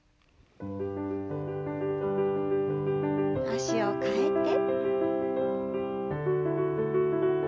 脚を替えて。